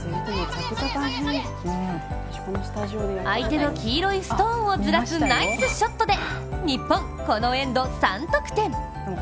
相手の黄色いストーンをずらすナイスショットで日本、このエンド３得点。